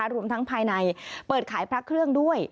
รวมทั้งภายในเปิดขายพระเครื่องด้วย